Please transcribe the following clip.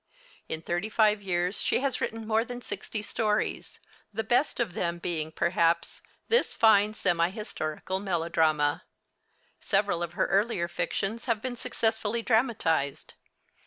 In thirty five years she has written more than sixty stories, the best of them being perhaps this fine semi historical melodrama. Several of her earlier fictions have been successfully dramatized.